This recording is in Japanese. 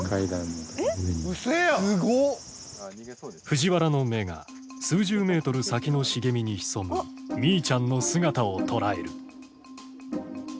藤原の目が数十メートル先の茂みに潜むミイちゃんの姿を捉える。